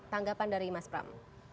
tanggapan dari mas pram